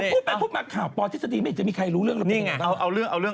พูดไปพูดมาข่าวปอร์ที่สดีไม่เห็นจะมีใครรู้เรื่องราวเป็นอย่างไร